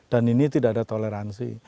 dan ini tidak ada toleransi